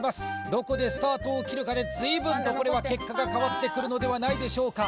どこでスタートを切るかで随分とこれは結果が変わってくるのではないでしょうか？